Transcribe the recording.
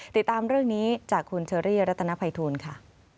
ติดตามเรื่องนี้จากคุณเชอรี่รัตนภัยทูลค่ะ